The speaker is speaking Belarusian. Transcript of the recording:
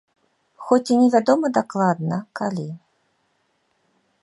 Хоць і невядома дакладна, калі.